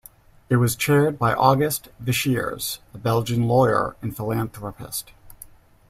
It was chaired by Auguste Visschers, a Belgian lawyer and philanthropist.